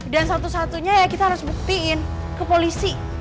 dan satu satunya ya kita harus buktiin ke polisi